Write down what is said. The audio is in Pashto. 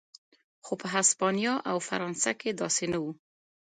خو په هسپانیا او فرانسه کې داسې نه و.